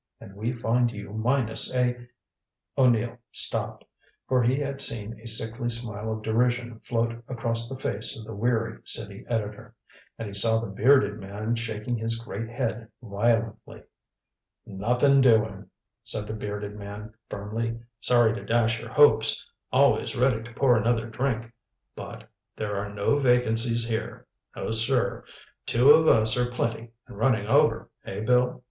And we find you minus a " O'Neill stopped. For he had seen a sickly smile of derision float across the face of the weary city editor. And he saw the bearded man shaking his great head violently. "Nothing doing," said the bearded man firmly. "Sorry to dash your hopes always ready to pour another drink. But there are no vacancies here. No, sir. Two of us are plenty and running over, eh, Bill?"